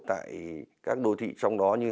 tại các đô thị trong đó như hà nội